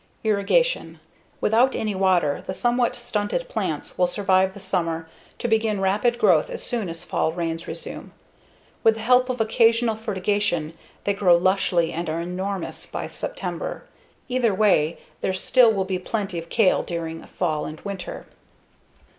Irrigation: Without any water, the somewhat stunted plants will survive the summer to begin rapid growth as soon as fall rains resume. With the help of occasional fertigation they grow lushly and are enormous by September. Either way, there still will be plenty of kale during fall and winter.